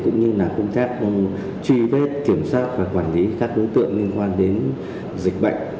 cũng như là công tác truy vết kiểm soát và quản lý các đối tượng liên quan đến dịch bệnh